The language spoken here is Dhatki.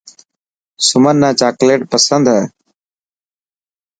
سمن نا چاڪليٽ پسند هي